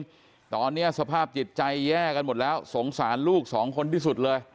ตอนนี้สภาพจิตใจแย่กันหมดแล้วสงสารลูกสองคนที่สุดเลย